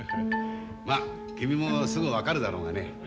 まあ君もすぐ分かるだろうがね